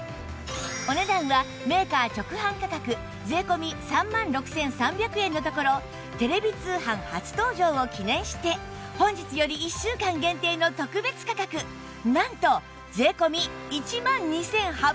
お値段はメーカー直販価格税込３万６３００円のところテレビ通販初登場を記念して本日より１週間限定の特別価格なんと税込１万２８００円